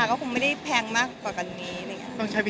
เธอก็่าโทรขอบคุณมากเขายังไม่มีก็ดีใจค่ะ